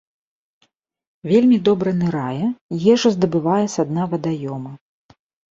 Вельмі добра нырае, ежу здабывае са дна вадаёма.